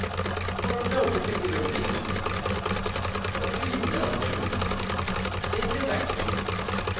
"For no particular reason." "But do you know him?" "Indirectly."